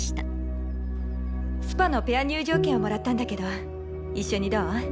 スパのペア入場券をもらったんだけど一緒にどう？